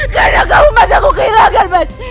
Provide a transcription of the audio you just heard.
karena kamu mas aku kehilangan mas